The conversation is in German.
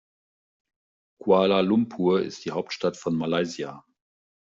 Kuala Lumpur ist die Hauptstadt von Malaysia.